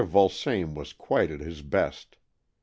Vulsame was quite at his best.